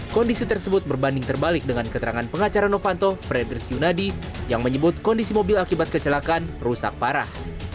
kondisi tersebut berbanding terbalik dengan keterangan pengacara novanto frederick yunadi yang menyebut kondisi mobil akibat kecelakaan rusak parah